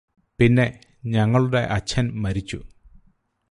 പിന്നെ ഞങ്ങളുടെ അച്ഛന് മരിച്ചു